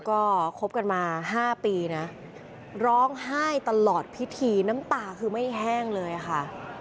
ก็คบกันมา๕ปีนะร้องไห้ตลอดพิธีน้ำตาคือไม่แห้งเลยค่ะ